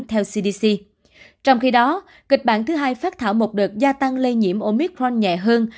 trong khi đó kịch bản thứ hai phát thảo một đợt gia tăng lây nhiễm omicron nhẹ hơn